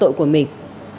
của đội của mình